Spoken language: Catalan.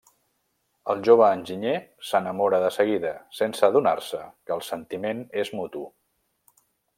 El jove enginyer se n'enamora de seguida, sense adonar-se que el sentiment és mutu.